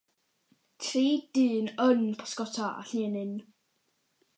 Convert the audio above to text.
Tri dyn yn pysgota â llinyn.